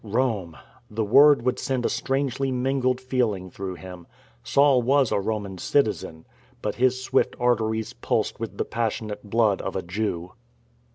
Rome ! The word would send a strangely mingled feeling through him. Saul was a Roman citizen. But his swift arteries pulsed with the passionate blood of a Jew.